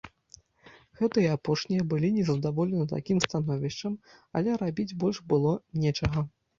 Гэтыя апошнія былі незадаволены такім становішчам, але рабіць больш было нечага.